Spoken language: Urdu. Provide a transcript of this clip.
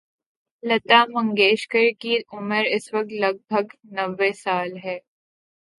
لتا منگیشکر کی عمر اس وقت لگ بھگ نّوے سال ہے۔